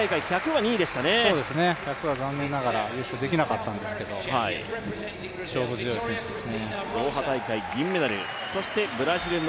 １００は残念ながら優勝できなかったんですけど勝負強い選手です。